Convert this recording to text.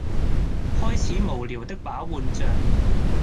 開始無聊的把玩着